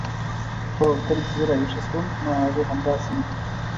هو کله چې زه راویښه شوم ما هغه همداسې ولید.